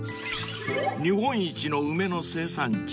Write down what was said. ［日本一の梅の生産地